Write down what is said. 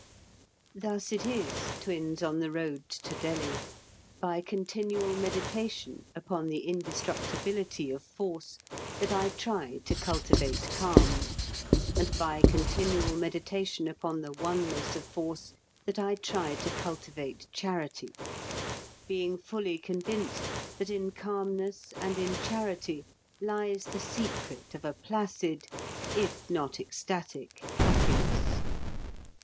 Thus it is, twins on the road to Delhi, by continual meditation upon the indestructibility of Force, that I try to cultivate calm, and by continual meditation upon the oneness of Force that I try to cultivate charity, being fully convinced that in calmness and in charity lies the secret of a placid if not ecstatic happiness.